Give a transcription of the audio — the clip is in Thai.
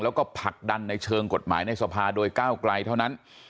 แล้วก็ผลักดันในเชิงกฎหมายในสภาโดยก้าวไกลเท่านั้น